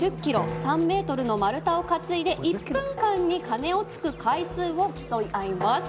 ５０ｋｇ３ｍの丸太を担いで１分間に鐘をつく回数を競い合います